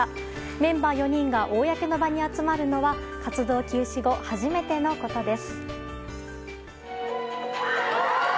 メンバー４人が公の場に集まるのは活動休止後初めてのことです。